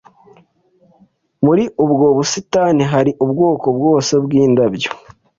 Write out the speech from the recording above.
Muri ubwo busitani hari ubwoko bwose bwindabyo